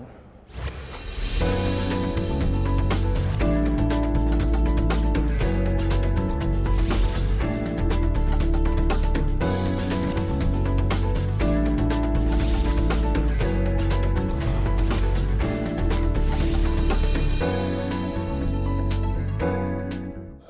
kepala badan informasi geospasial